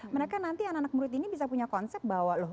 mereka nanti anak anak murid ini bisa punya konsep bahwa loh